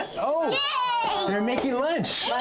イエーイ！